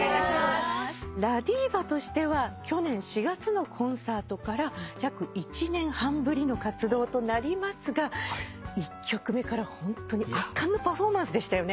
ＬＡＤＩＶＡとしては去年４月のコンサートから約１年半ぶりの活動となりますが１曲目からホントに圧巻のパフォーマンスでしたよね。